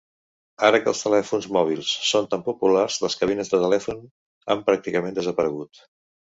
Ara que els telèfons mòbils són tan populars, les cabines de telèfon han pràcticament desaparegut.